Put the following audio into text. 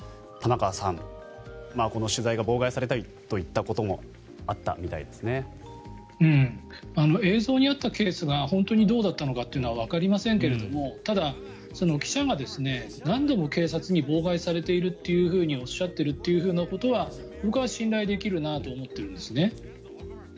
玉川さん、この取材が妨害されたといったこともあったみたいですね。映像にあったケースが本当にどうだったのかというのはわかりませんけれどもただ、記者が何度も警察に妨害されているっていふうにおっしゃっているようなことは僕は信頼できるなと思っているんです。